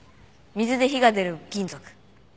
水で火が出る金属。